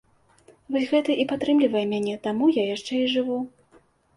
Вось гэта і падтрымлівае мяне, таму я яшчэ і жыву.